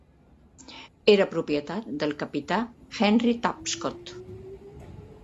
Era propietat del capità Henry Tapscott.